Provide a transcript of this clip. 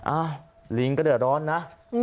อ้าวลิงก็เดินร้อนนะ